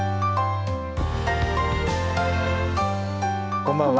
こんばんは。